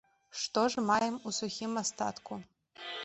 Што ж маем у сухім астатку?